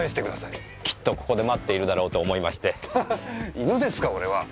犬ですか俺は！？